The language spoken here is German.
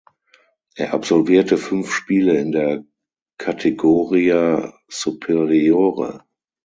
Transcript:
Er absolvierte fünf Spiele in der Kategoria Superiore.